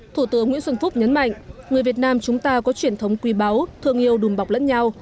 thủ tướng nguyễn xuân phúc nhấn mạnh người việt nam chúng ta có truyền thống quý báu thương yêu đùm bọc lẫn nhau